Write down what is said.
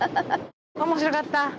面白かった！